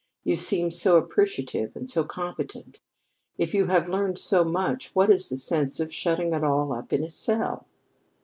"You seem so appreciative and so competent. If you have learned so much, what is the sense of shutting it all up in a cell?"